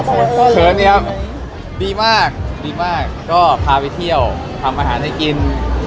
อะไงเราเผื่อนไ้ได้ไหมเผลอดีมากก็พาไปเที่ยวทำอาหารให้กิน